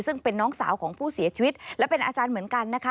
ซึ่งเป็นน้องสาวของผู้เสียชีวิตและเป็นอาจารย์เหมือนกันนะคะ